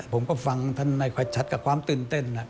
ผมก็ฟังท่านในค่อยชัดกับความตื่นเต้น